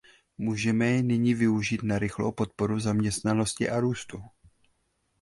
Můžeme je nyní využít na rychlou podporu zaměstnanosti a růstu?